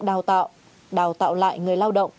đào tạo đào tạo lại người lao động